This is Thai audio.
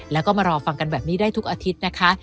แล้วก็มารอฟังกันแบบนี้ได้ทุกอาทิตย์นะคะ